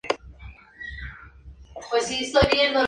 La telenovela es grabada en los viñedos de Napa y Sonoma, en California.